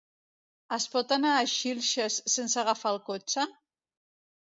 Es pot anar a Xilxes sense agafar el cotxe?